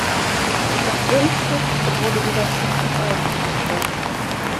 Das Grundstück wurde wieder zum Verkauf angeboten.